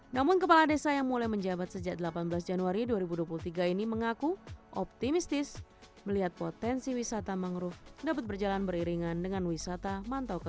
namun kepala desa yang mulai menjabat sejak delapan belas januari dua ribu dua puluh tiga ini mengaku optimistis melihat potensi wisata mangrove dapat berjalan beriringan dengan wisata mantau ke